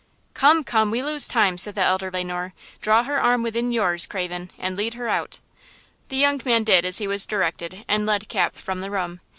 "Come, come! we lose time!" said the elder Le Noir. "Draw her arm within yours, Craven, and lead her out." The young man did as he was directed and led Cap from the room.